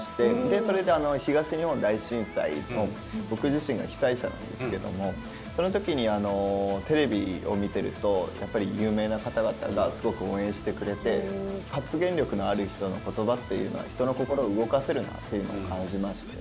でそれで東日本大震災の僕自身が被災者なんですけどもその時にテレビを見てるとやっぱり有名な方々がすごく応援してくれて発言力のある人の言葉っていうのは人の心を動かせるなっていうのを感じまして。